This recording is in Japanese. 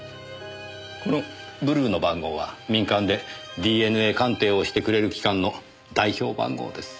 このブルーの番号は民間でＤＮＡ鑑定をしてくれる機関の代表番号です。